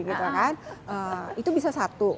itu kan itu bisa satu